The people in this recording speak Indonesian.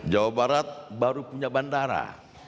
jawa barat baru punya bandara